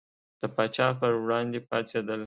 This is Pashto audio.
د پاچا پر وړاندې پاڅېدل.